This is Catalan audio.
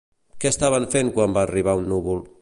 Què estaven fent quan va arribar un núvol?